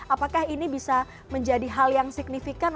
apakah ini bisa menjadi hal yang signifikan